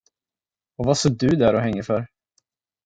Och vad står du där och hänger för?